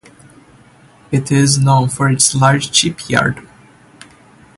It is known for its large shipyard.